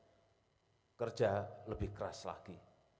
kita harus kerja lebih keras lagi